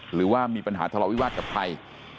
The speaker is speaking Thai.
หรือว่ามีปัญหาทะเลาวิวาสกับใคร